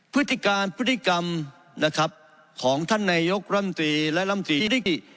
พฤติการพฤติกรรมของท่านนายกรรมตรีและรรมติธิ